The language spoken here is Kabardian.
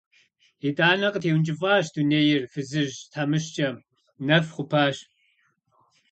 ИтӀанэ къытеункӀыфӀащ дунейр фызыжь тхьэмыщкӏэм, нэф хъупащ…